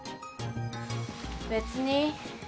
別に。